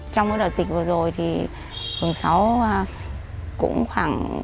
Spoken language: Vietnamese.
trong đợt dịch vừa rồi thì phường sáu cũng khoảng